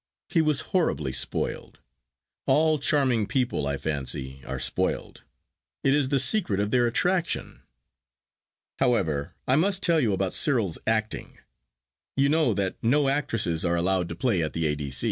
He was horribly spoiled. All charming people, I fancy, are spoiled. It is the secret of their attraction. 'However, I must tell you about Cyril's acting. You know that no actresses are allowed to play at the A.